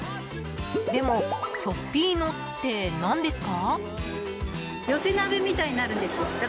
でも、チョッピーノって何ですか？